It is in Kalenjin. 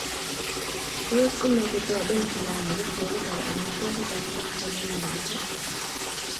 Tos imach itoben filamauit yekitar amitwokik ab koskoling nebo ra?